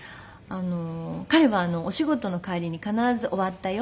彼はお仕事の帰りに必ず「終わったよ。